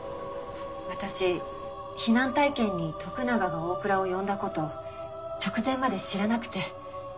私避難体験に徳永が大倉を呼んだ事直前まで知らなくて。